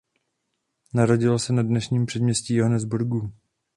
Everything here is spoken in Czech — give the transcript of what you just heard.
Narodil se na dnešním předměstí Johannesburgu.